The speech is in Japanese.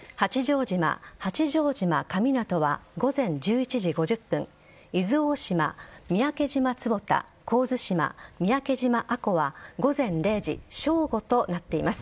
八丈島カミナトは午前１１時５０分伊豆大島、三宅島神津島、三宅島は午前０時正午となっています。